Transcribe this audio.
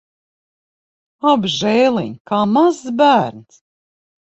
Apžēliņ! Kā mazs bērns.